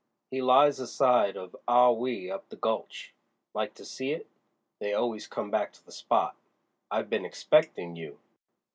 He lies aside of Ah Wee up the gulch. Like to see it? They always come back to the spot—I've been expectin' you.